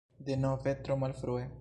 Denove tro malfrue.